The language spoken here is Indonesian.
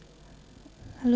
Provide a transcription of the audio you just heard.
saya tidak mau